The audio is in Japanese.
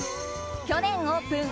去年オープン